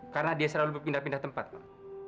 karena dia selalu berpindah pindah tempat pak